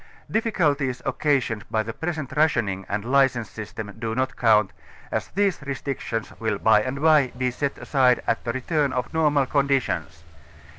Difficulties occasioned bj' the present rationing and license system do not count, as these restrictions will by and by be set aside at the return of normal conditions.